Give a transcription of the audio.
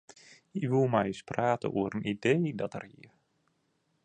Hy woe mei ús prate oer in idee dat er hie.